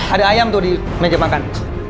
ada ayam tuh di meja makan